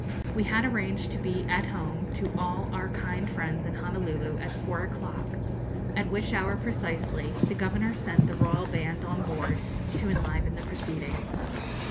We had arranged to be 'at home' to all our kind friends in Honolulu at four o'clock, at which hour precisely the Governor sent the Royal band on board to enliven the proceedings.